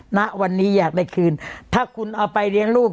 ณวันนี้อยากได้คืนถ้าคุณเอาไปเลี้ยงลูก